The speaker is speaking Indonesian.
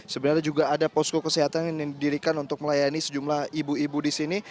sebenarnya juga ada posko kesehatan yang didirikan untuk melayani sejumlah ibu ibu di sini